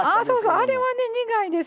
あれは苦いです。